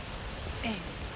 ええ。